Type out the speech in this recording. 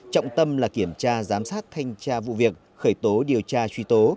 trọng tâm là kiểm tra giám sát thanh tra vụ việc khởi tố điều tra truy tố